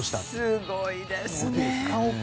すごいですね。